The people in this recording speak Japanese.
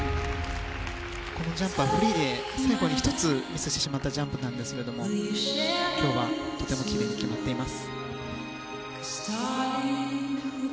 このジャンプはフリーで最後に１つミスしてしまったジャンプですが今日はとても奇麗に決まっています。